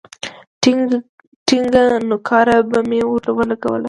ټينگه نوکاره به مې ورولگوله.